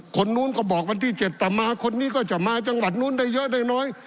คนนู้นก็บอกวันที่๗ต่อมาคนนี้ก็จะมาจังหวัดนู้นได้เยอะได้น้อย